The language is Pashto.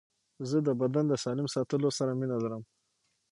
زه د بدن د سالم ساتلو سره مینه لرم.